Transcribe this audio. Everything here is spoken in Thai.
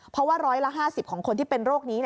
เพราะว่าร้อยละ๕๐ของคนที่เป็นโรคนี้